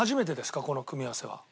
この組み合わせは。